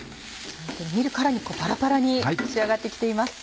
見るからにこうパラパラに仕上がって来ています。